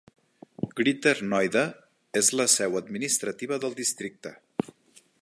Greater Noida és la seu administrativa del districte.